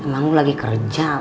emang lu lagi kerja